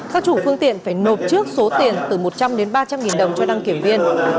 các chủ phương tiện phải nộp trước số tiền từ một trăm linh đến ba trăm linh nghìn đồng cho đăng kiểm viên